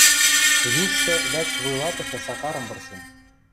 Южшы вӓкш вуйлатышы Сакарым вырсен.